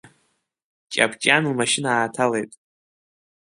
Ҷабҷан лмашьына ааҭалеит.